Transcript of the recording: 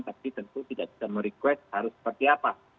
tapi tentu tidak bisa merequest harus seperti apa